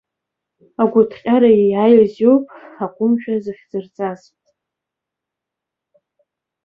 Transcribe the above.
Агәыҭҟьара иаиааиз иоуп агәымшәа зыхьӡырҵаз.